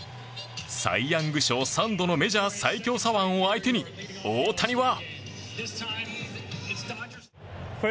サイ・ヤング賞３度のメジャー最強左腕を相手に大谷は。